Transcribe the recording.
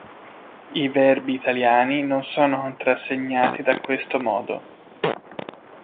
I verbi italiani non sono contrassegnati da questo modo.